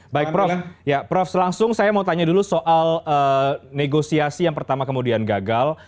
baik prof ya prof langsung saya mau tanya dulu soal negosiasi yang pertama kemudian gagal